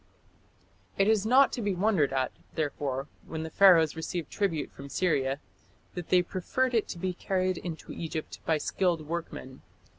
" It is not to be wondered at, therefore, when the Pharaohs received tribute from Syria that they preferred it to be carried into Egypt by skilled workmen.